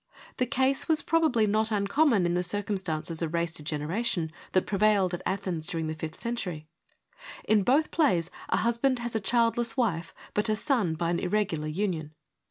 The case was probably not uncommon in the circumstances of race degen eration that prevailed at Athens during the fifth century. In both plays a husband has a childless wife, but a son by an irregular union.